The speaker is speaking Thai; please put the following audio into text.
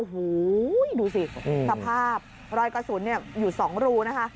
โอ้โหดูสิสภาพรอยกระสุนอยู่๒รูนะคะ